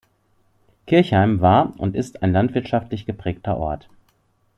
Kirchheim war und ist ein landwirtschaftlich geprägter Ort.